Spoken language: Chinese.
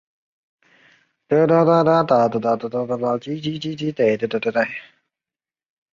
乐仕是前香港商业电台唱片骑师兼演唱会主办人。